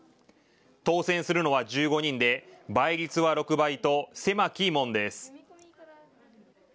当選するのは１５人で倍率は６倍と狭き門です。